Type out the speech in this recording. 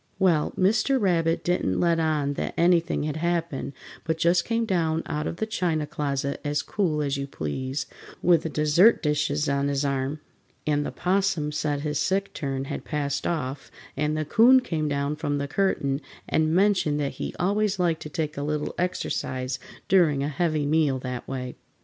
Well, Mr. Rabbit didn't let on that anything had happened, but just came down out of the china closet as cool as you please, with the dessert dishes on his arm, and the 'Possum said his sick turn had passed off, and the 'Coon came down from the curtain and mentioned that he always liked to take a little exercise during a heavy meal that way.